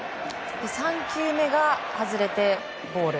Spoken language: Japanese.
３球目が外れてボール。